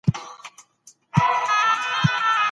فکري وده به د ټولني پر فرهنګي غنا ستر اغېز ولري.